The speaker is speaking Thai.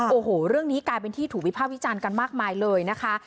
โอ้โหเรื่องนี้กลายเป็นที่ถูกวิภาควิจารณ์กันมากมายเลยนะคะ